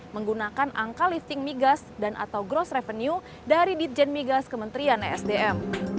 menggunakan angka lifting migas dan atau gross revenue dari ditjen migas kementerian esdm